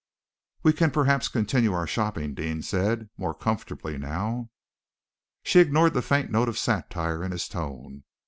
"We can perhaps continue our shopping," Deane said, "more comfortably now." She ignored the faint note of satire in his tone.